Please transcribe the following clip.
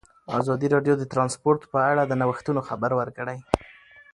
ازادي راډیو د ترانسپورټ په اړه د نوښتونو خبر ورکړی.